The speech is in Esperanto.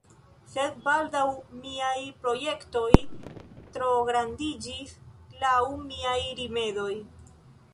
Sed baldaŭ miaj projektoj trograndiĝis laŭ miaj rimedoj.